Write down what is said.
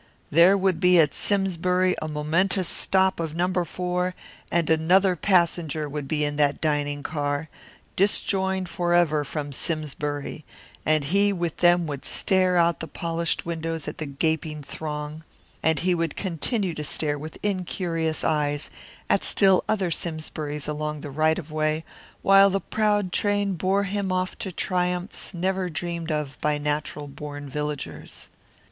There would be at Simsbury a momentous stop of No. 4 and another passenger would be in that dining car, disjoined forever from Simsbury, and he with them would stare out the polished windows at the gaping throng, and he would continue to stare with incurious eyes at still other Simsburys along the right of way, while the proud train bore him off to triumphs never dreamed of by natural born villagers.